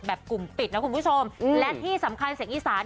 กลุ่มปิดนะคุณผู้ชมและที่สำคัญเสียงอีสาน